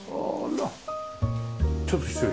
ちょっと失礼。